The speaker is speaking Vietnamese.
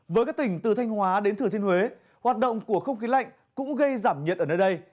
với các tỉnh từ thanh hóa đến thừa thiên huế hoạt động của không khí lạnh cũng gây giảm nhiệt ở nơi đây